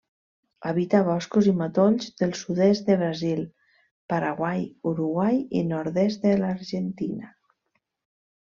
Habita boscos i matolls del sud-est de Brasil, Paraguai, Uruguai i nord-est de l'Argentina.